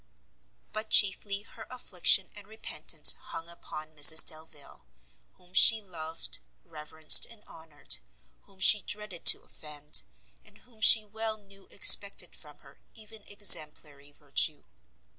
But chiefly her affliction and repentance hung upon Mrs Delvile, whom she loved, reverenced and honoured, whom she dreaded to offend, and whom she well knew expected from her even exemplary virtue.